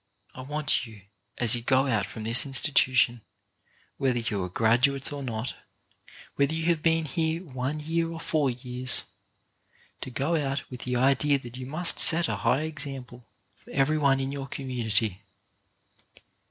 I want you, as you go out from this institution, whether you are graduates or not, whether you have been here one year or four years — to go out with the idea that you must set a high example for every one in your community.